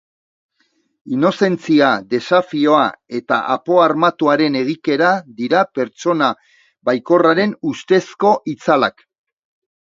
Inozentzia, desafioa eta apo-armatuaren egikera, dira, pertsona baikorraren ustezko itzalak.